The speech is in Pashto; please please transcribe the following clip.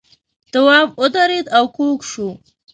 تواب ودرېد او کوږ شو.